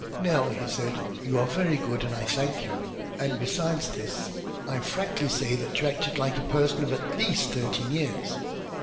"Nell!" he said, "you are very good and I thank you; and besides this I frankly say that you acted like a person of at least thirteen years."